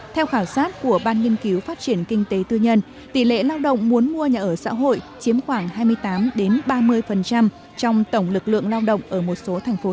theo khảo sát của ban nghiên cứu phát triển kinh tế tư nhân tỷ lệ lao động muốn mua nhà ở xã hội chiếm khoảng hai mươi tám ba mươi trong tổng lực lượng lao động ở một số thành phố lớn